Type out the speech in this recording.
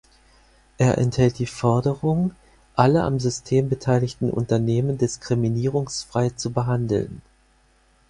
Er enthält die Forderung, alle am System beteiligten Unternehmen diskriminierungsfrei zu behandeln.